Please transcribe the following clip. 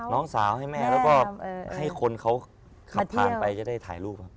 น้องสาวให้แม่แล้วก็ให้คนเขาขับผ่านไปจะได้ถ่ายรูปครับ